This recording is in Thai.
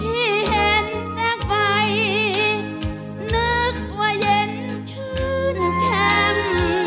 ที่เห็นแสงไฟนึกว่าเย็นชื่นชม